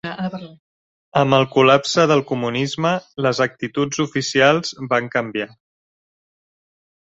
Amb el col·lapse del comunisme, les actituds oficials van canviar.